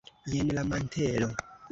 jen la mantelo!